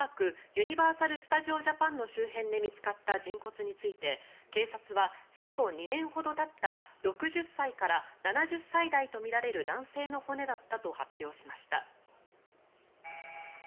ユニバーサル・スタジオ・ジャパンの周辺で見つかった人骨について警察は死後２年ほどたった６０歳から７０歳代とみられる男性の骨だったと発表しました。